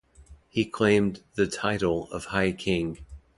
He claimed the title of High King.